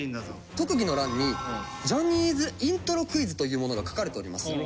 特技の欄に「ジャニーズイントロクイズ」というものが書かれております。